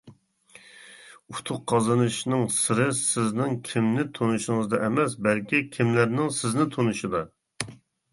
ئۇتۇق قازىنىشنىڭ سىرى سىزنىڭ كىمنى تونۇشىڭىزدا ئەمەس، بەلكى كىملەرنىڭ سىزنى تونۇشىدا.